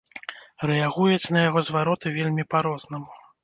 Рэагуюць на яго звароты вельмі па-рознаму.